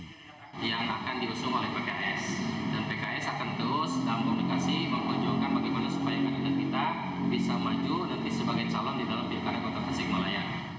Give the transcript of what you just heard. yang akan diusung oleh pks dan pks akan terus dalam komunikasi memujukkan bagaimana supaya kita bisa maju dan bisa sebagai calon di dalam pilkada kota tasik malaya